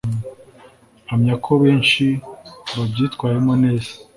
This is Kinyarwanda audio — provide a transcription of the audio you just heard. mpamya ko benshi babyitwayemo neza